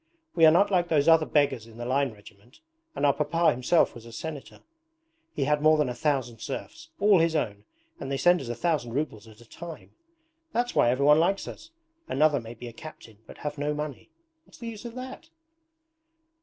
'We are not like those other beggars in the line regiment, and our papa himself was a Senator. He had more than a thousand serfs, all his own, and they send us a thousand rubles at a time. That's why everyone likes us. Another may be a captain but have no money. What's the use of that?'